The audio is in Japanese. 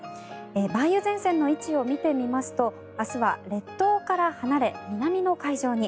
梅雨前線の位置を見てみますと明日は列島から離れ南の海上に。